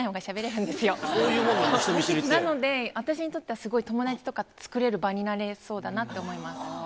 なので、私にとっては、すごい友達とか作れる場になりそうだなと思います。